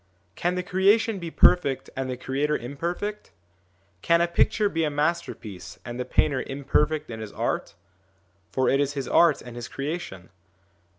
Can the creation be perfect and the creator im perfect? Can a picture be a masterpiece and the painter imperfect in his art? for it is his art and his creation.